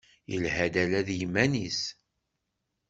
Yelha-d ala d yiman-is.